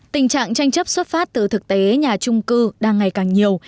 tình trạng tranh chấp xuất phát từ thực tế nhà trung cư đang ngày càng nhiều